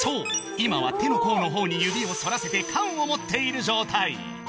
今は手の甲の方に指を反らせて缶を持っている状態